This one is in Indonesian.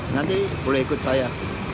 nanti boleh ikut saya